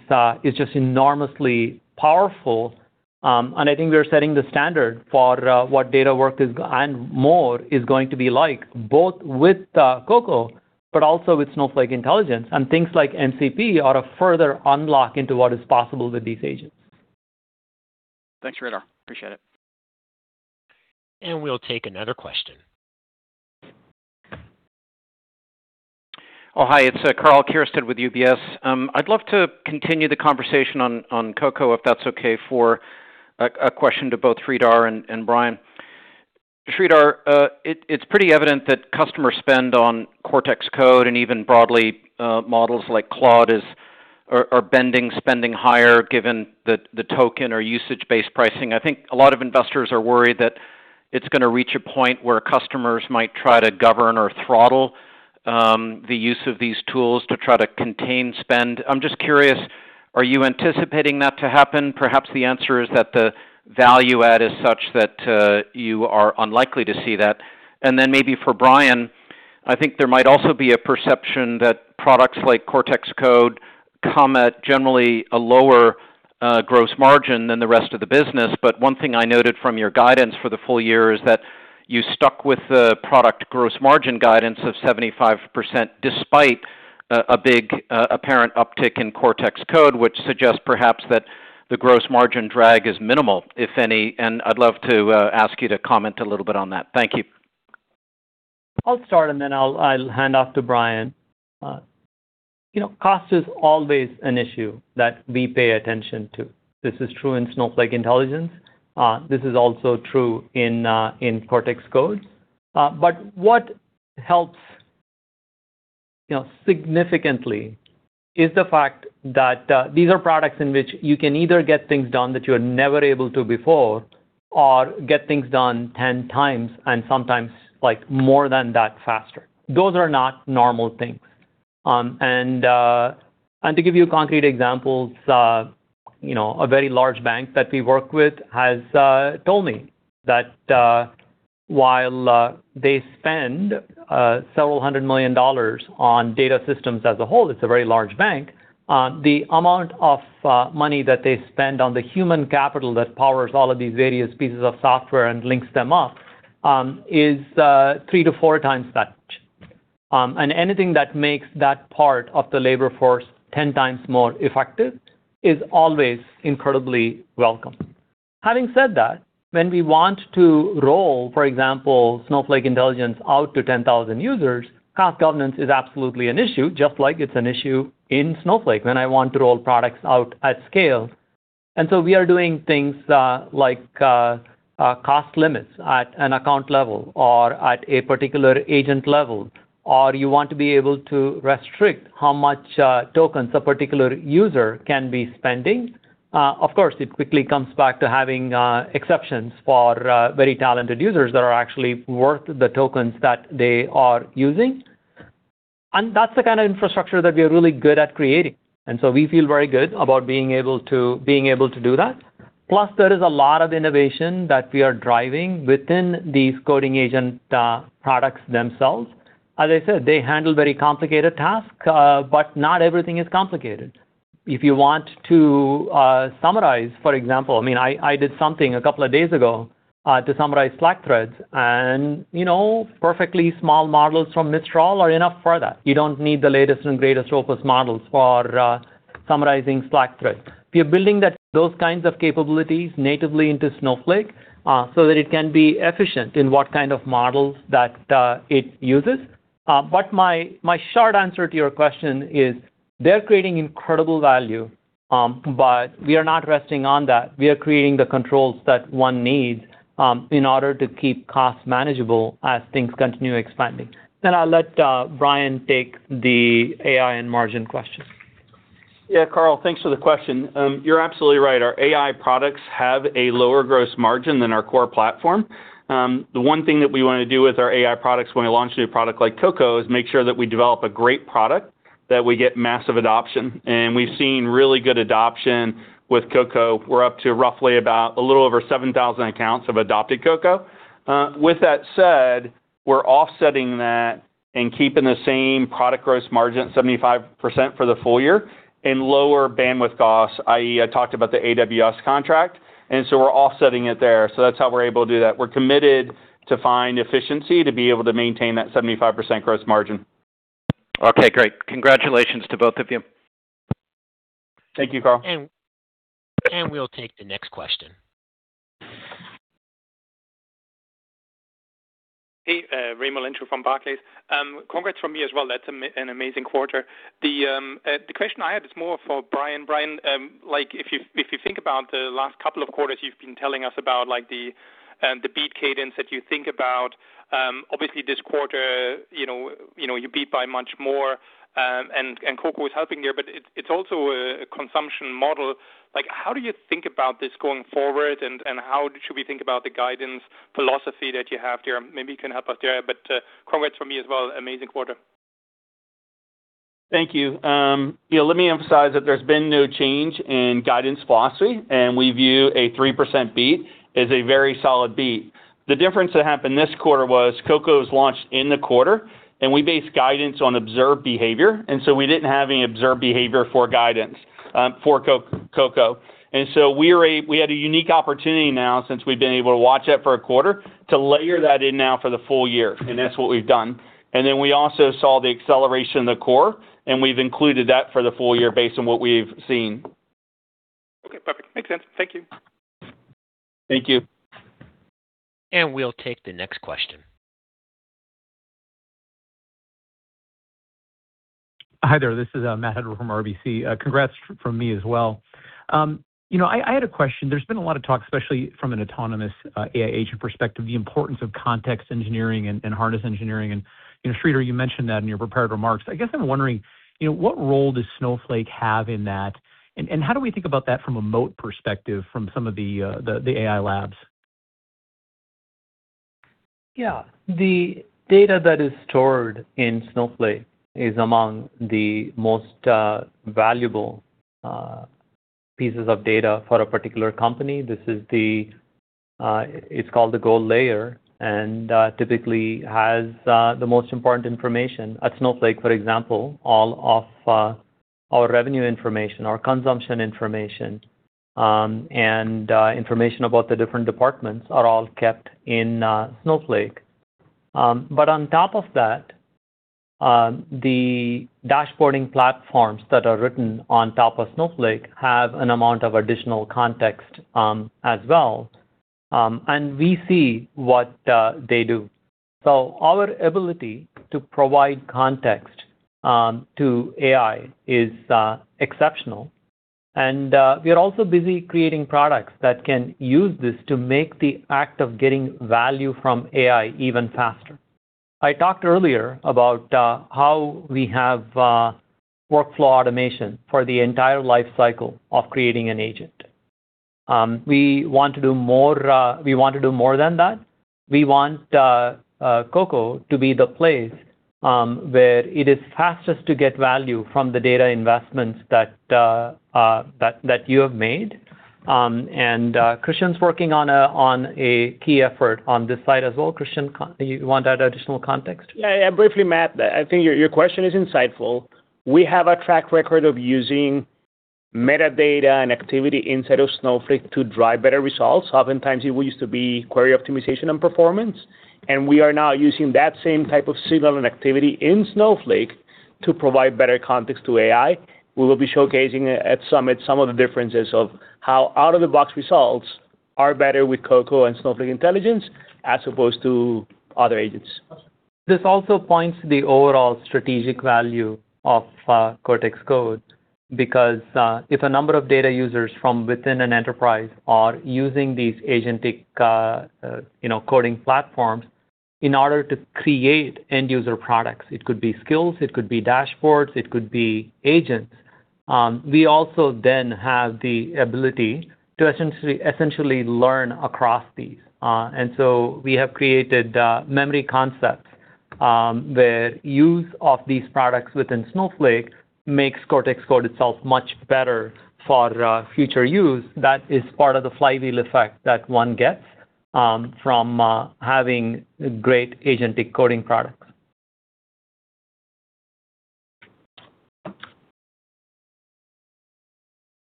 just enormously powerful. I think we are setting the standard for what data work and more is going to be like, both with CoCo, but also with Snowflake Intelligence. Things like MCP are a further unlock into what is possible with these agents. Thanks, Sridhar. Appreciate it. We'll take another question. Oh, hi. It's Karl Keirstead with UBS. I'd love to continue the conversation on CoCo, if that's okay, for a question to both Sridhar and Brian. Sridhar, it's pretty evident that customer spend on Cortex Code and even broadly, models like Claude are bending spending higher given the token or usage-based pricing. I think a lot of investors are worried that it's going to reach a point where customers might try to govern or throttle the use of these tools to try to contain spend. I'm just curious, are you anticipating that to happen? Perhaps the answer is that the value add is such that you are unlikely to see that. Then maybe for Brian, I think there might also be a perception that products like Cortex Code come at generally a lower gross margin than the rest of the business, but one thing I noted from your guidance for the full-year is that you stuck with the product gross margin guidance of 75%, despite a big apparent uptick in Cortex Code, which suggests perhaps that the gross margin drag is minimal, if any. I'd love to ask you to comment a little bit on that. Thank you. I'll start, and then I'll hand off to Brian. Cost is always an issue that we pay attention to. This is true in Snowflake Intelligence. This is also true in Cortex Code. What helps significantly is the fact that these are products in which you can either get things done that you were never able to before, or get things done 10 times and sometimes more than that faster. Those are not normal things. To give you concrete examples, a very large bank that we work with has told me that while they spend several hundred million dollars on data systems as a whole, it's a very large bank, the amount of money that they spend on the human capital that powers all of these various pieces of software and links them up, is three to four times that much. Anything that makes that part of the labor force 10 times more effective is always incredibly welcome. Having said that, when we want to roll, for example, Snowflake Intelligence out to 10,000 users, cost governance is absolutely an issue, just like it's an issue in Snowflake when I want to roll products out at scale. We are doing things like cost limits at an account level, or at a particular agent level, or you want to be able to restrict how much tokens a particular user can be spending. Of course, it quickly comes back to having exceptions for very talented users that are actually worth the tokens that they are using. That's the kind of infrastructure that we are really good at creating. We feel very good about being able to do that. There is a lot of innovation that we are driving within these coding agent products themselves. As I said, they handle very complicated tasks, but not everything is complicated. If you want to summarize, for example, I did something a couple of days ago to summarize Slack threads. Perfectly small models from Mistral are enough for that. You don't need the latest and greatest Opus models for summarizing Slack threads. We are building those kinds of capabilities natively into Snowflake, so that it can be efficient in what kind of models that it uses. My short answer to your question is they're creating incredible value, but we are not resting on that. We are creating the controls that one needs in order to keep costs manageable as things continue expanding. I'll let Brian take the AI and margin question. Karl, thanks for the question. You're absolutely right. Our AI products have a lower gross margin than our core platform. The one thing that we want to do with our AI products when we launch a new product like CoCo is make sure that we develop a great product, that we get massive adoption, and we've seen really good adoption with CoCo. We're up to roughly about a little over 7,000 accounts have adopted CoCo. With that said, we're offsetting that and keeping the same product gross margin at 75% for the full-year, and lower bandwidth costs, i.e., I talked about the AWS contract, and so we're offsetting it there. That's how we're able to do that. We're committed to find efficiency to be able to maintain that 75% gross margin. Okay, great. Congratulations to both of you. Thank you, Karl. We'll take the next question. Hey, Raimo Lenschow from Barclays. Congrats from me as well. That's an amazing quarter. The question I had is more for Brian. Brian, if you think about the last couple of quarters you've been telling us about the beat cadence that you think about, obviously this quarter, you beat by much more, and CoCo is helping there. It's also a consumption model. How do you think about this going forward, and how should we think about the guidance philosophy that you have there? Maybe you can help us there. Congrats from me as well. Amazing quarter. Thank you. Let me emphasize that there's been no change in guidance philosophy, and we view a 3% beat as a very solid beat. The difference that happened this quarter was CoCo was launched in the quarter, and we base guidance on observed behavior, and so we didn't have any observed behavior for guidance for CoCo. We had a unique opportunity now, since we've been able to watch it for a quarter, to layer that in now for the full-year, and that's what we've done. Then we also saw the acceleration in the core, and we've included that for the full-year based on what we've seen. Okay, perfect. Makes sense. Thank you. Thank you. We'll take the next question. Hi there. This is Matt Hedberg from RBC. Congrats from me as well. I had a question. There's been a lot of talk, especially from an autonomous AI agent perspective, the importance of context engineering and harness engineering, and Sridhar, you mentioned that in your prepared remarks. I guess I'm wondering, what role does Snowflake have in that, and how do we think about that from a moat perspective from some of the AI labs? Yeah. The data that is stored in Snowflake is among the most valuable pieces of data for a particular company. It's called the gold layer, and typically has the most important information. At Snowflake, for example, all of our revenue information, our consumption information, and information about the different departments are all kept in Snowflake. On top of that, the dashboarding platforms that are written on top of Snowflake have an amount of additional context as well, and we see what they do. Our ability to provide context to AI is exceptional. We are also busy creating products that can use this to make the act of getting value from AI even faster. I talked earlier about how we have workflow automation for the entire life cycle of creating an agent. We want to do more than that. We want CoCo to be the place where it is fastest to get value from the data investments that you have made, and Christian's working on a key effort on this side as well. Christian, you want to add additional context? Yeah. Briefly, Matt, I think your question is insightful. We have a track record of using metadata and activity inside of Snowflake to drive better results. Oftentimes, it used to be query optimization and performance, and we are now using that same type of signal and activity in Snowflake to provide better context to AI. We will be showcasing at Snowflake Summit some of the differences of how out-of-the-box results are better with CoCo and Snowflake Intelligence as opposed to other agents. This also points to the overall strategic value of Cortex Code, because if a number of data users from within an enterprise are using these agentic coding platforms in order to create end-user products, it could be skills, it could be dashboards, it could be agents. We also then have the ability to essentially learn across these. We have created memory concepts, where use of these products within Snowflake makes Cortex Code itself much better for future use. That is part of the flywheel effect that one gets from having great agentic coding products.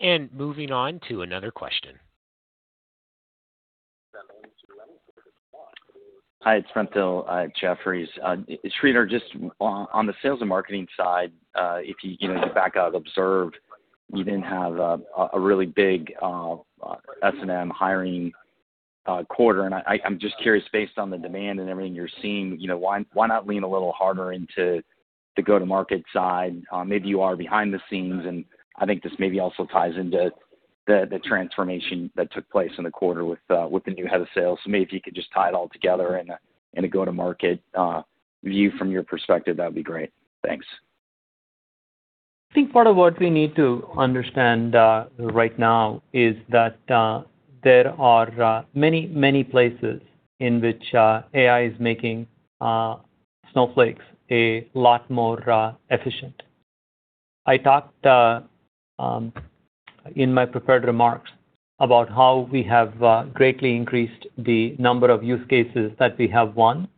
Moving on to another question. Hi, it's Brent Thill at Jefferies. Sridhar, just on the sales and marketing side, if you just back out Observe, you didn't have a really big S&M hiring quarter, and I'm just curious, based on the demand and everything you're seeing, why not lean a little harder into the go-to-market side? Maybe you are behind the scenes, and I think this maybe also ties into the transformation that took place in the quarter with the new head of sales. Maybe if you could just tie it all together in a go-to-market view from your perspective, that'd be great. Thanks. I think part of what we need to understand right now is that there are many, many places in which AI is making Snowflake a lot more efficient. I talked in my prepared remarks about how we have greatly increased the number of use cases that we have won,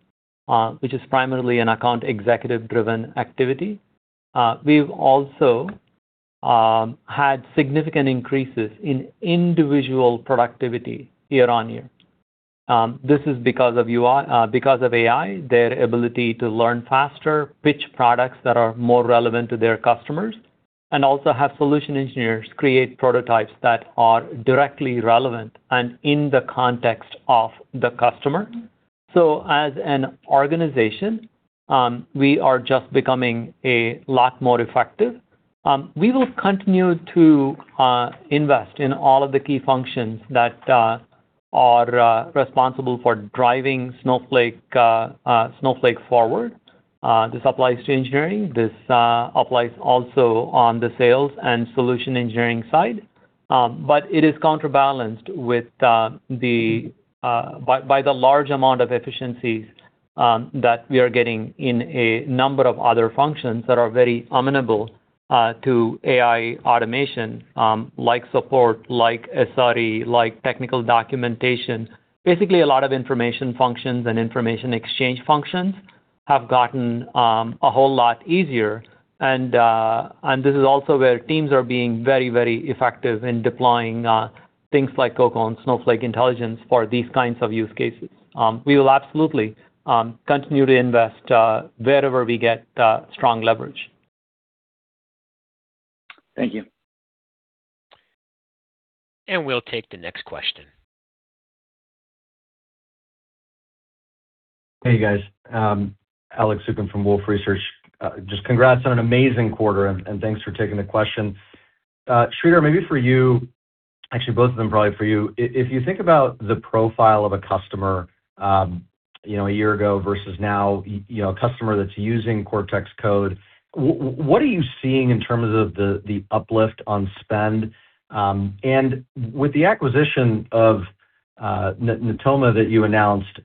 which is primarily an account executive-driven activity. We've also had significant increases in individual productivity year on year. This is because of AI, their ability to learn faster, pitch products that are more relevant to their customers, and also have solution engineers create prototypes that are directly relevant and in the context of the customer. As an organization, we are just becoming a lot more effective. We will continue to invest in all of the key functions that are responsible for driving Snowflake forward. This applies to engineering, this applies also on the sales and solution engineering side. It is counterbalanced by the large amount of efficiencies that we are getting in a number of other functions that are very amenable to AI automation, like support, like SRE, like technical documentation. Basically, a lot of information functions and information exchange functions have gotten a whole lot easier, and this is also where teams are being very, very effective in deploying things like CoCo and Snowflake Intelligence for these kinds of use cases. We will absolutely continue to invest wherever we get strong leverage. Thank you. We'll take the next question. Hey, guys. Alex Zukin from Wolfe Research. Congrats on an amazing quarter, and thanks for taking the question. Sridhar, maybe for you, actually, both of them probably for you. If you think about the profile of a customer a year ago versus now, a customer that's using Cortex Code, what are you seeing in terms of the uplift on spend? With the acquisition of Natoma that you announced.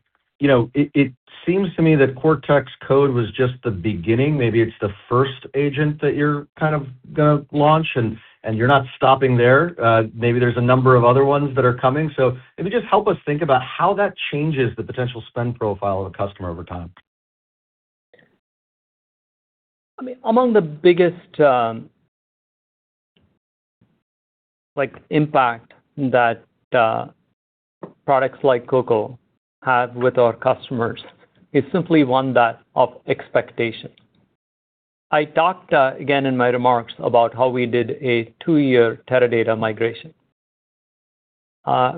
It seems to me that Cortex Code was just the beginning. Maybe it's the first agent that you're going to launch, and you're not stopping there. Maybe there's a number of other ones that are coming. Maybe just help us think about how that changes the potential spend profile of a customer over time. Among the biggest impact that products like CoCo have with our customers is simply one that of expectation. I talked, again, in my remarks about how we did a two-year Teradata migration.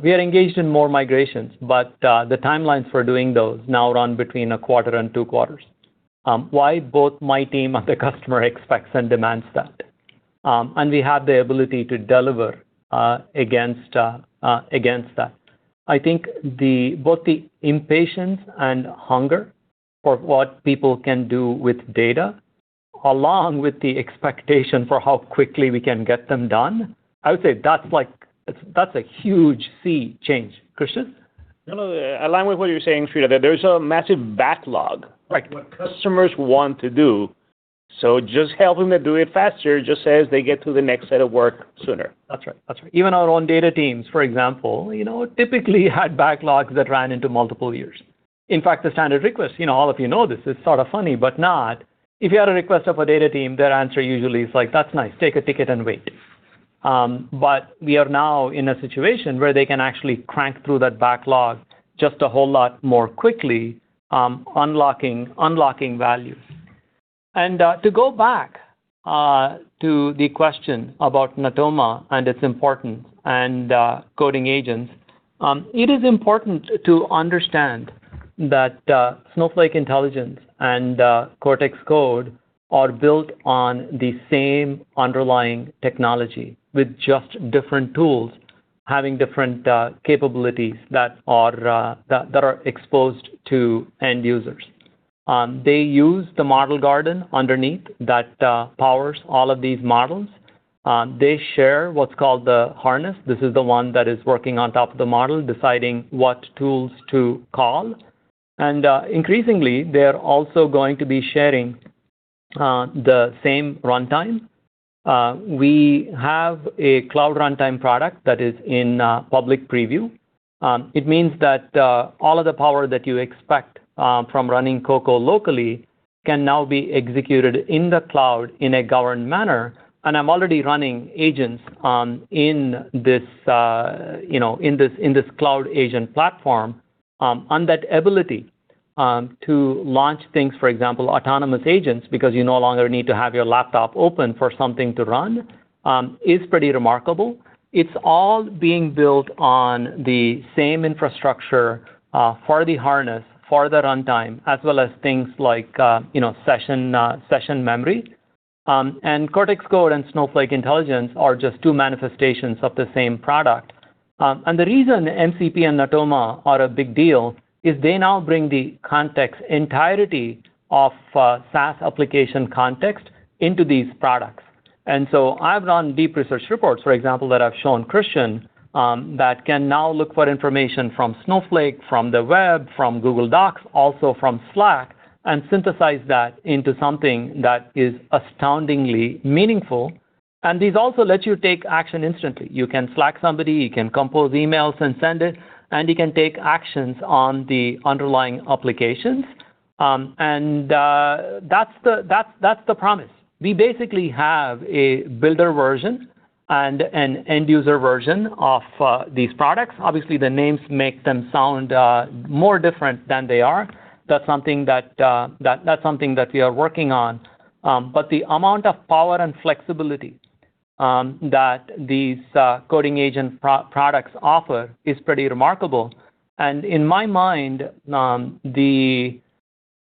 We are engaged in more migrations, but the timelines for doing those now run between a quarter and two quarters. Why both my team and the customer expects and demands that. We have the ability to deliver against that. I think both the impatience and hunger for what people can do with data, along with the expectation for how quickly we can get them done, I would say that's a huge sea change. Christian? No, align with what you're saying, Sridhar. There's a massive backlog- Right. Of what customers want to do. Just helping them do it faster just says they get to the next set of work sooner. That's right. Even our own data teams, for example, typically had backlogs that ran into multiple years. In fact, the standard request, all of you know this, it's sort of funny, but not. If you had a request of a data team, their answer usually is, "That's nice. Take a ticket and wait." We are now in a situation where they can actually crank through that backlog just a whole lot more quickly, unlocking values. To go back to the question about Natoma and its importance and coding agents, it is important to understand that Snowflake Intelligence and Cortex Code are built on the same underlying technology with just different tools, having different capabilities that are exposed to end users. They use the Model Garden underneath that powers all of these models. They share what's called the harness. This is the one that is working on top of the model, deciding what tools to call. Increasingly, they are also going to be sharing the same runtime. We have a cloud runtime product that is in public preview. It means that all of the power that you expect from running CoCo locally can now be executed in the cloud in a governed manner, and I'm already running agents in this cloud agent platform. That ability to launch things, for example, autonomous agents, because you no longer need to have your laptop open for something to run, is pretty remarkable. It's all being built on the same infrastructure for the harness, for the runtime, as well as things like session memory. Cortex Code and Snowflake Intelligence are just two manifestations of the same product. The reason MCP and Natoma are a big deal is they now bring the context entirety of SaaS application context into these products. I've run deep research reports, for example, that I've shown Christian, that can now look for information from Snowflake, from the web, from Google Docs, also from Slack, and synthesize that into something that is astoundingly meaningful. These also let you take action instantly. You can Slack somebody, you can compose emails, and send it, and you can take actions on the underlying applications. That's the promise. We basically have a builder version and an end-user version of these products. Obviously, the names make them sound more different than they are. That's something that we are working on. The amount of power and flexibility that these coding agent products offer is pretty remarkable. In my mind, the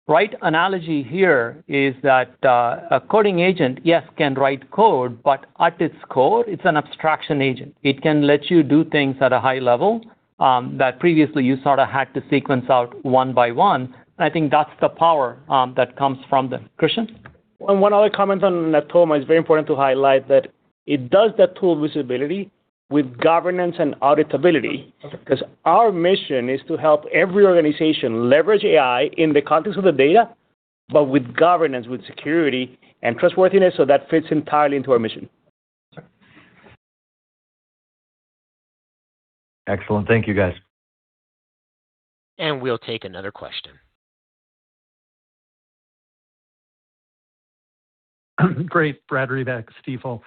right analogy here is that a coding agent, yes, can write code, but at its core, it's an abstraction agent. It can let you do things at a high level that previously you sort of had to sequence out one by one. I think that's the power that comes from them. Christian? One other comment on Natoma, it's very important to highlight that it does that tool visibility with governance and auditability. Okay. Our mission is to help every organization leverage AI in the context of the data, but with governance, with security, and trustworthiness, so that fits entirely into our mission. Okay. Excellent. Thank you, guys. We'll take another question. Great. Brad Reback, Stifel.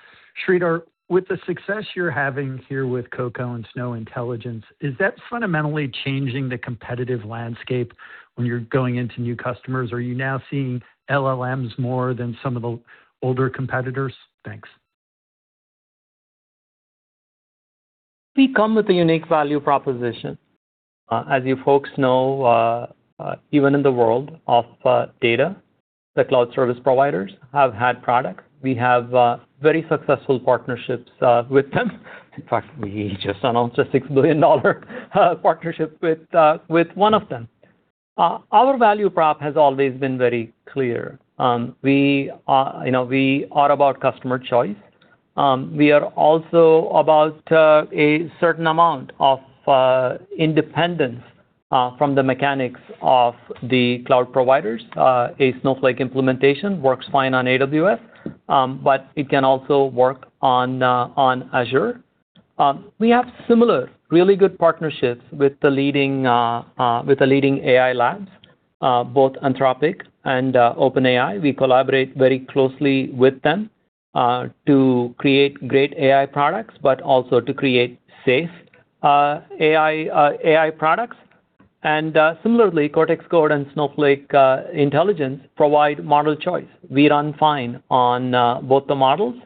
Sridhar, with the success you're having here with CoCo and Snowflake Intelligence, is that fundamentally changing the competitive landscape when you're going into new customers? Are you now seeing LLMs more than some of the older competitors? Thanks. We come with a unique value proposition. As you folks know, even in the world of data, the cloud service providers have had products. We have very successful partnerships with them. In fact, we just announced a $6 billion partnership with one of them. Our value prop has always been very clear. We are about customer choice. We are also about a certain amount of independence from the mechanics of the cloud providers. A Snowflake implementation works fine on AWS, but it can also work on Azure. We have similar, really good partnerships with the leading AI labs, both Anthropic and OpenAI. We collaborate very closely with them to create great AI products, but also to create safe AI products. Similarly, Cortex Code and Snowflake Intelligence provide model choice. We run fine on both the models.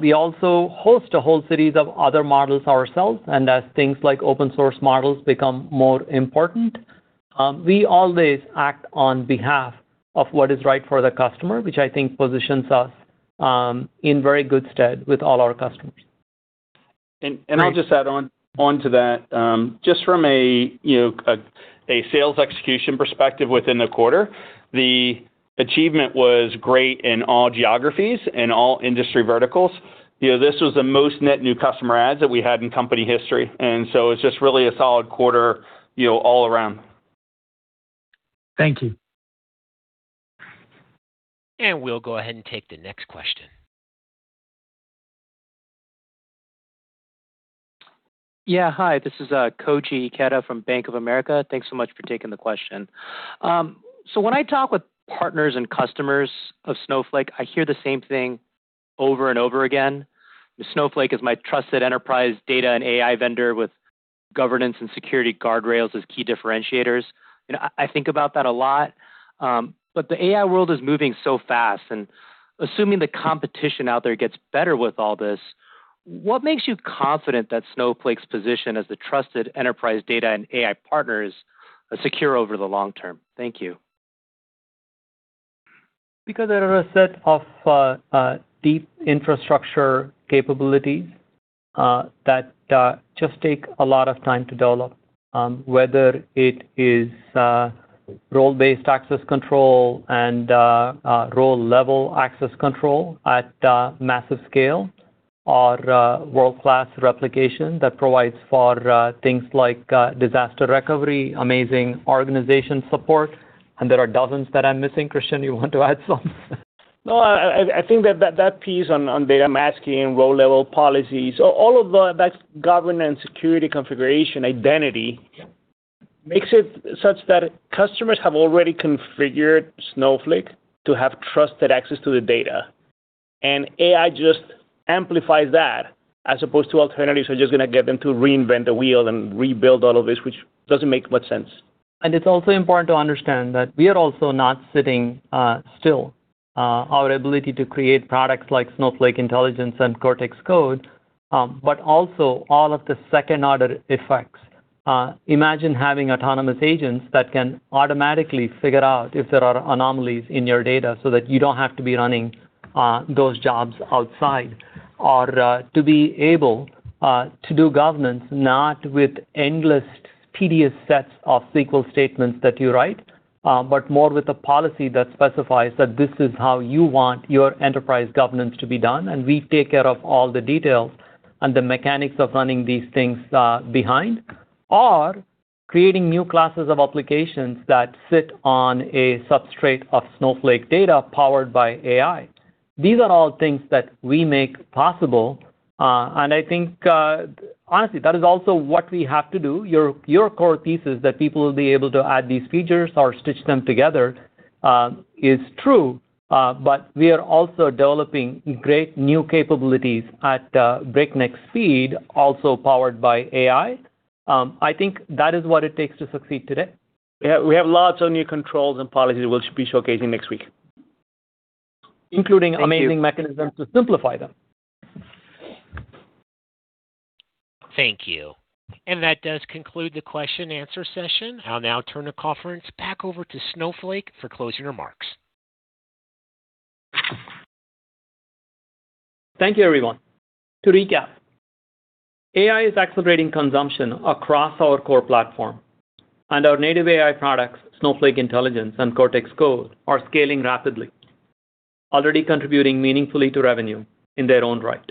We also host a whole series of other models ourselves, and as things like open source models become more important, we always act on behalf of what is right for the customer, which I think positions us in very good stead with all our customers. I'll just add on to that. Just from a sales execution perspective within the quarter, the achievement was great in all geographies and all industry verticals. This was the most net new customer adds that we had in company history, it's just really a solid quarter all around. Thank you. We'll go ahead and take the next question. Hi, this is Koji Ikeda from Bank of America. Thanks so much for taking the question. When I talk with partners and customers of Snowflake, I hear the same thing over and over again, "Snowflake is my trusted enterprise data and AI vendor with governance and security guardrails as key differentiators." I think about that a lot. The AI world is moving so fast, and assuming the competition out there gets better with all this, what makes you confident that Snowflake's position as a trusted enterprise data and AI partner is secure over the long term? Thank you. Because there are a set of deep infrastructure capabilities that just take a lot of time to develop, whether it is role-based access control and row-level access control at massive scale, or world-class replication that provides for things like disaster recovery, amazing organization support, and there are dozens that I'm missing. Christian, you want to add some? I think that piece on data masking, row-level policies, all of that governance, security configuration, identity, makes it such that customers have already configured Snowflake to have trusted access to the data. AI just amplifies that, as opposed to alternatives are just going to get them to reinvent the wheel and rebuild all of this, which doesn't make much sense. It's also important to understand that we are also not sitting still. Our ability to create products like Snowflake Intelligence and Cortex Code, but also all of the second-order effects. Imagine having autonomous agents that can automatically figure out if there are anomalies in your data, so that you don't have to be running those jobs outside. To be able to do governance, not with endless tedious sets of SQL statements that you write, but more with a policy that specifies that this is how you want your enterprise governance to be done, and we take care of all the details and the mechanics of running these things behind. Creating new classes of applications that sit on a substrate of Snowflake data powered by AI. These are all things that we make possible, and I think, honestly, that is also what we have to do. Your core thesis, that people will be able to add these features or stitch them together, is true, but we are also developing great new capabilities at break-neck speed, also powered by AI. I think that is what it takes to succeed today. Yeah, we have lots of new controls and policies we'll be showcasing next week. Including amazing mechanisms to simplify them. Thank you. That does conclude the question and answer session. I'll now turn the conference back over to Snowflake for closing remarks. Thank you, everyone. To recap, AI is accelerating consumption across our core platform, and our native AI products, Snowflake Intelligence and Cortex Code, are scaling rapidly, already contributing meaningfully to revenue in their own right.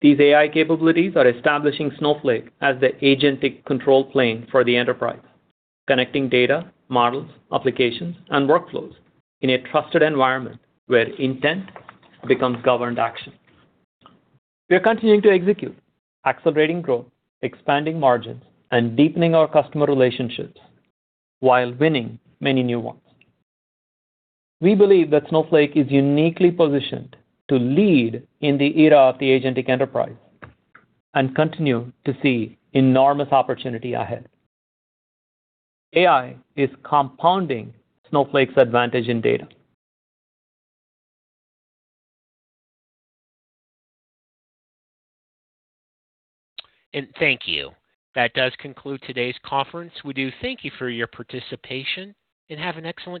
These AI capabilities are establishing Snowflake as the agentic control plane for the enterprise, connecting data, models, applications, and workflows in a trusted environment where intent becomes governed action. We are continuing to execute, accelerating growth, expanding margins, and deepening our customer relationships while winning many new ones. We believe that Snowflake is uniquely positioned to lead in the era of the agentic enterprise, and continue to see enormous opportunity ahead. AI is compounding Snowflake's advantage in data. Thank you. That does conclude today's conference. We do thank you for your participation, and have an excellent day.